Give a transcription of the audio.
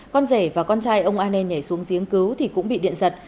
con rể và con trai ông an nen nhảy xuống giếng cứu thì cũng bị điện giật